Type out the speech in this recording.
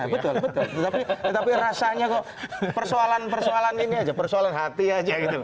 betul betul tetapi rasanya kok persoalan persoalan ini aja persoalan hati aja gitu